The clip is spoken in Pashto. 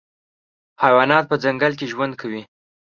حیوانات په ځنګل کي ژوند کوي.